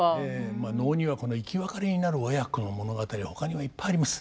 まあ能には生き別れになる親子の物語はほかにもいっぱいあります。